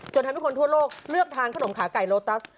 จนทั้งทุกคนทั่วโลกเลือกทานขนมขาไก่โลตัส